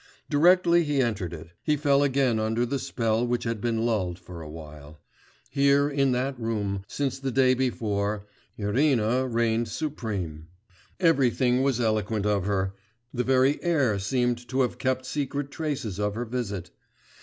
Directly he entered it, he fell again under the spell which had been lulled for a while. Here, in that room, since the day before, Irina reigned supreme; everything was eloquent of her, the very air seemed to have kept secret traces of her visit....